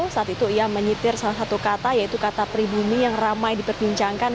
saat itu ia menyetir salah satu kata yaitu kata pribumi yang ramai diperbincangkan